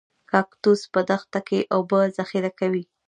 کاکتوس په دښته کې اوبه ذخیره کوي